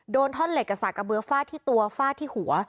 ท่อนเหล็กกับสากกระเบือฟาดที่ตัวฟาดที่หัว